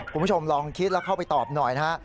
คุณผู้ชมลองคิดแล้วเข้าไปตอบหน่อยนะฮะ